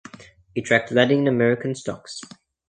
It tracks Latin American stocks.